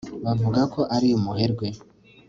Bavuga ko ari umuherwe